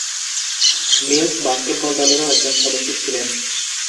Mills basketball দলেরও একজন সদস্য ছিলেন।